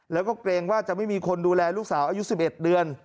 แล้วก็เกรงว่าจะไม่มีคนดูแลลูกสาวอายุ๑๑เดือน